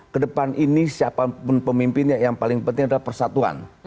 kedepan ini siapapun pemimpinnya yang paling penting adalah persatuan